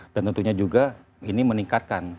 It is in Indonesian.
dan tentunya juga ini meningkatkan